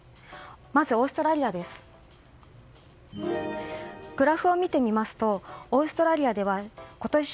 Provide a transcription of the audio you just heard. まずオーストラリアです。